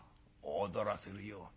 「踊らせるよ。